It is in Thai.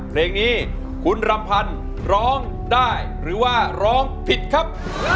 เพลงนี้คุณรำพันธ์ร้องได้หรือว่าร้องผิดครับ